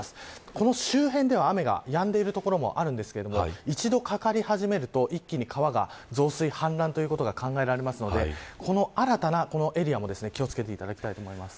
この周辺では雨がやんでいる所もあるんですが一度かかり始めると、一気に川が増水、氾濫ということも考えられますのでこの新たなエリアも気を付けていただきたいと思います。